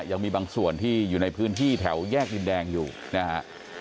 ยังมีบางส่วนที่อยู่ในพื้นที่แถวแยกดินแดงอยู่นะฮะ